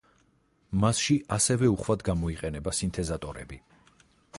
მასში ასევე უხვად გამოიყენება სინთეზატორები.